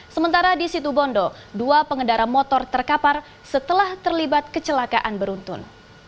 sementara di situ bondo dua pengendara motor terkapar setelah terlibat kecelakaan beruntun